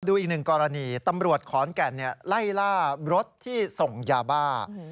ดูอีกหนึ่งกรณีตำรวจขอนแก่นไล่ล่ารถที่ส่งยาบ้า